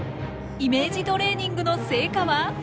イメージトレーニングの成果は？